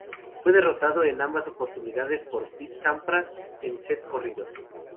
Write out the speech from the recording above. Fue derrotado en ambas oportunidades por Pete Sampras, en sets corridos.